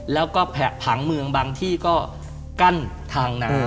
แล้วก็แผะผังเมืองบางที่ก็กั้นทางน้ำ